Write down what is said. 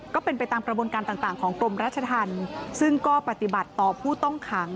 ก็เป็นไปตามกระบวนการต่างของกรมราชธรรมซึ่งก็ปฏิบัติต่อผู้ต้องขัง